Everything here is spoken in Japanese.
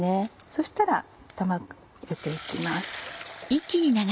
そしたら卵入れていきます。